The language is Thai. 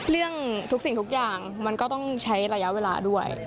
ทุกสิ่งทุกอย่างมันก็ต้องใช้ระยะเวลาด้วย